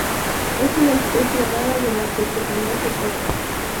Es una especie rara de la que se conoce poco.